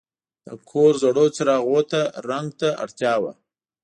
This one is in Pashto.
د کور زړو څراغونو ته رنګ ته اړتیا وه.